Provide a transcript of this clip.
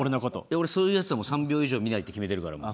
俺そういうヤツは３秒以上見ないって決めてるからもう。